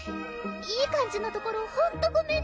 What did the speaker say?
いい感じのところほんとごめんね